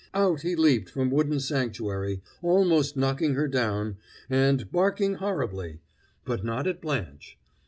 Out he leaped from wooden sanctuary, almost knocking her down, and barking horribly, but not at Blanche.